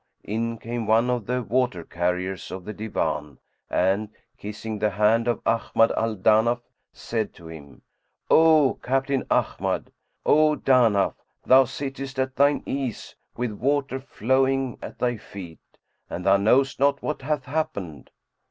in came one of the water carriers of the Divan and, kissing the hand of Ahmad al Danaf, said to him, "O Captain Ahmad, O Danaf! thou sittest at thine ease with water flowing at thy feet,[FN#100] and thou knowest not what hath happened."